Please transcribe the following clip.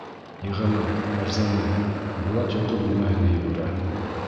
Ниғәмәт, Фәрзәнә, Булат йоҡо бүлмәһенә йүгерә.